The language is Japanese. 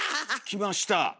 きました。